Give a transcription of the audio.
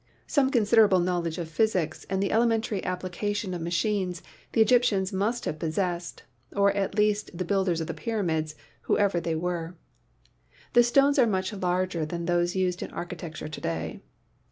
Some considerable knowledge of physics and the elementary application of machines the Egyptians must have pos sessed, or at least the builders of the pyramids, whoever they were. The stones are much larger than those used in architecture to day.